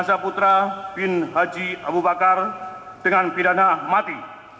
saputra bin haji abu bakar dengan pidana mati